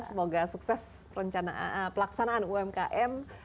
semoga sukses pelaksanaan umkm